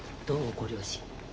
ご両親。